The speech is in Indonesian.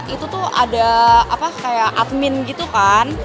itu tuh ada admin gitu kan